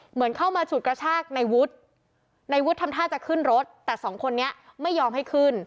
เหมือนเข้ามาฉุดกระชากในวุฒิในวุฒิทำท่าจะขึ้นรถแต่สองคนนี้ไม่ยอมให้ขึ้น